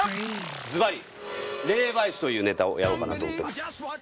ズバリ「霊媒師」というネタをやろうかなと思ってます